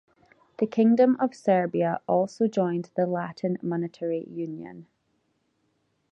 The Kingdom of Serbia also joined the Latin Monetary Union.